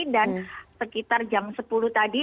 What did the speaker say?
dan sekitar jam sepuluh tadi